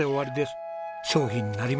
商品になりません。